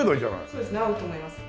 そうですね合うと思います。